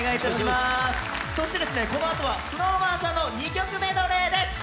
そしてこのあとはＳｎｏｗＭａｎさんの２曲メドレーです。